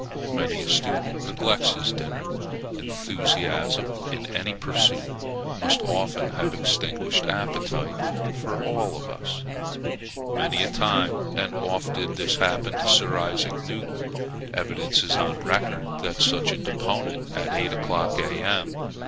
Many a student neglects his dinner; enthusiasm in any pursuit must often have extinguished appetite for all of us. Many a time and oft did this happen to Sir Isaac Newton. Evidence is on record, that such a deponent at eight o'clock, A.M.